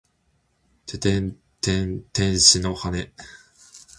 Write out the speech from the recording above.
ててんてん天使の羽！